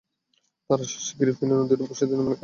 তাঁর আশা, শিগগিরই ফেনী নদীর ওপর সেতু নির্মাণের কাজ শুরু হবে।